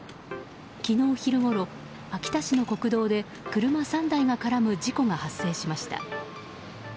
昨日昼ごろ、秋田市の国道で車３台が絡む事故が発生しました。